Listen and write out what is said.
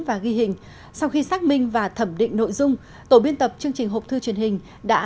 và ghi hình sau khi xác minh và thẩm định nội dung tổ biên tập chương trình hộp thư truyền hình đã